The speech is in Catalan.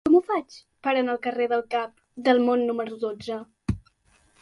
Com ho faig per anar al carrer del Cap del Món número dotze?